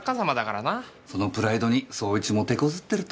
そのプライドに捜一もてこずってると。